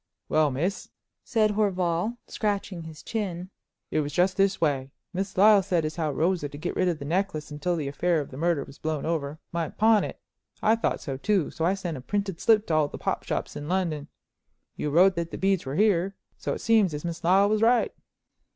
"Well, miss," said Horval, scratching his chin, "it was just this way. Miss Lyle said as how Rosa, to get rid of the necklace until the affair of the murder was blown over, might pawn it. I thought so too, so I sent a printed slip to all the pop shops in London. You wrote that the beads were here, so it seems as Miss Lyle was right."